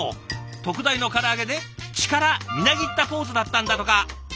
特大のから揚げで力みなぎったポーズだったんだとか。